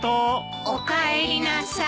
おかえりなさい。